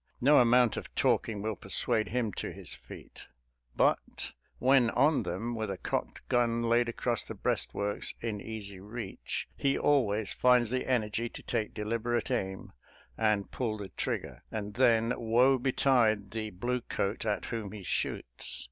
No amount of talking will persuade him to his feet, but, when on them, with a cocked gun laid across the breastworks in easy reach, he always finds the energy to take deliberate aim and pull the trigger; and then, woe betide the bluecoat at whom he shoots